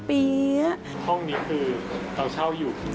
ห้องนี้คือเจาะเช่าอยู่ครับ